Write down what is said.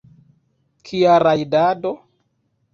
Kia rajdado?